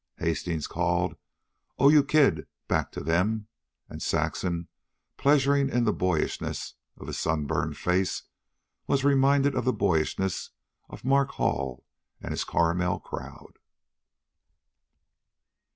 Hastings called, "Oh, you kid!" back to them; and Saxon, pleasuring in the boyishness of his sunburned face, was reminded of the boyishness of Mark Hall and his Carmel crowd.